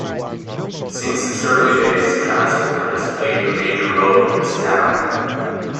Since its early days, transport has played a major role in this town.